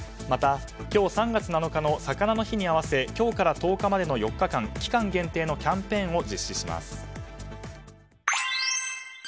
また、今日３月７日の魚の日に合わせ今日から１０日までの４日間期間限定のキャンペーンを実施します。